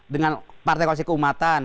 dengan partai kualitas keumatan